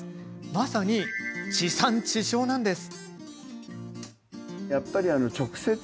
まさに地産地消なんです。